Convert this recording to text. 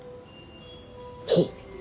ほう！